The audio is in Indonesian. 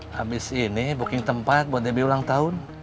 habis ini booking tempat buat debbie ulang tahun